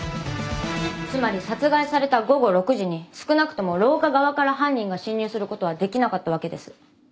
つまり殺害された午後６時に少なくとも廊下側から犯人が侵入することはできなかったわけです。